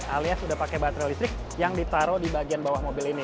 alias sudah pakai baterai listrik yang ditaruh di bagian bawah mobil ini